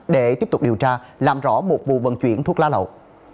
để tiếp tục điều tra làm rõ một vụ vận chuyển thuốc lá lậu